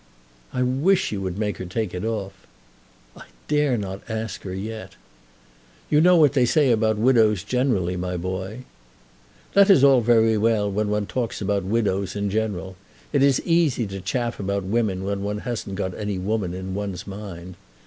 "I wish you would make her take it off." "I dare not ask her yet." "You know what they say about widows generally, my boy." "That is all very well when one talks about widows in general. It is easy to chaff about women when one hasn't got any woman in one's mind.